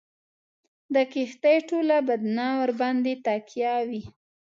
د کښتۍ ټوله بدنه ورباندي تکیه وي.